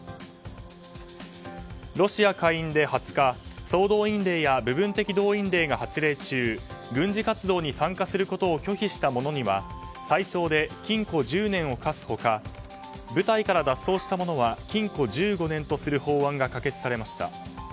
ロシア下院で２０日、総動員令や部分的動員令が発令中軍事活動に参加することを拒否した者には最長で禁錮１０年を科す他部隊から脱走したものは禁錮１５年とする法案が可決されました。